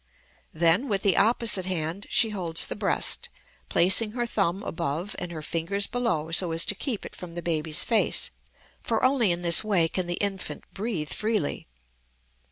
Then with the opposite hand she holds the breast, placing her thumb above and her fingers below so as to keep it from the baby's face, for only in this way can the infant breathe freely.